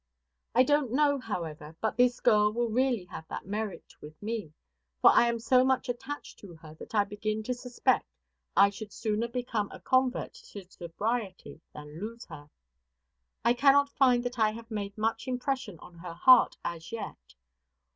I don't know, however, but this girl will really have that merit with me; for I am so much attached to her that I begin to suspect I should sooner become a convert to sobriety than lose her. I cannot find that I have made much impression on her heart as yet.